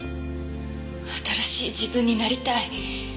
新しい自分になりたい。